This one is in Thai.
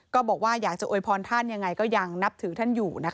ก็บอกว่าอยากจะโวยพรท่านยังไงก็ยังนับถือท่านอยู่